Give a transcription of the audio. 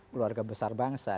keluarga besar bangsa